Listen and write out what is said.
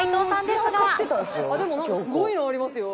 でもなんかすごいのありますよ。